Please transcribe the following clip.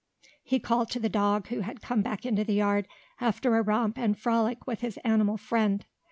he called to the dog who had come back into the yard after a romp and frolic with his animal friend.